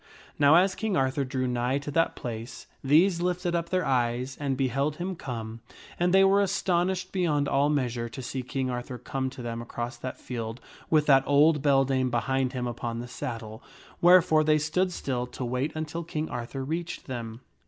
Now as King Arthur drew nigh to that place, these lifted up their eyes and beheld him come, and they were astonished beyond all measure to see King Arthur come to them across that field with that old beldame KING ARTHUR BRINGS THE OLD WOMAN TO COURT 307 behind him upon the saddle, wherefore they stood still to wait until King Arthur reached them.